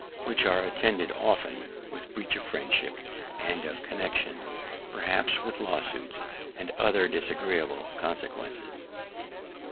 which are attended often with breach of friendship and of the connection, perhaps with lawsuits and other disagreeable consequences.